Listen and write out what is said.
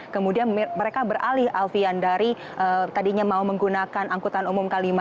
kemudian mereka beralih alfian dari tadinya mau menggunakan angkutan umum k lima